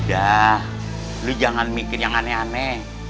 dah lu jangan mikir yang aneh aneh